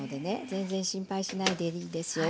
全然心配しないでいいですよ。